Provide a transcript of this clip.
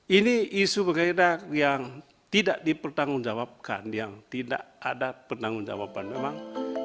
ini isu berhedar yang tidak dipertanggungjawabkan yang tidak ada pertanggungjawaban memang